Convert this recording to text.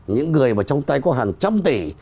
những người mà trong tay có hàng trăm tỷ